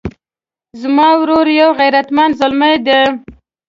زما ورور یو غیرتمند زلمی ده